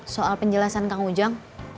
soal penjelasan kang ujang